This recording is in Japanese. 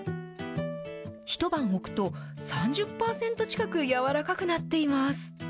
１晩置くと３０％近く柔らかくなっています。